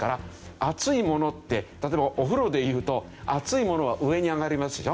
熱いものって例えばお風呂でいうと熱いものは上に上がりますでしょ。